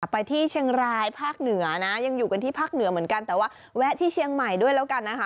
ไปที่เชียงรายภาคเหนือนะยังอยู่กันที่ภาคเหนือเหมือนกันแต่ว่าแวะที่เชียงใหม่ด้วยแล้วกันนะคะ